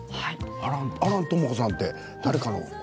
亜蘭知子さんって誰かの。